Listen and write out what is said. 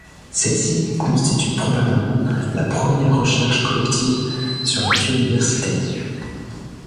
Celle-ci constitue, probablement, la première recherche collective sur la biodiversité.